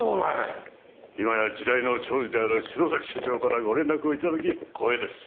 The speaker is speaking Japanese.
今や時代の寵児である白崎社長からご連絡を頂き光栄です。